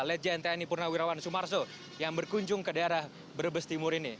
legend tni purnawirawan sumarso yang berkunjung ke daerah brebes timur ini